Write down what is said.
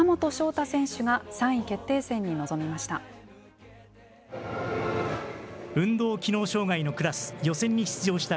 大選手が３位決定戦に臨みました。